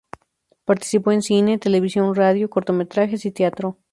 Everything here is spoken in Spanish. Participó en cine, televisión, radio, cortometrajes y teatro.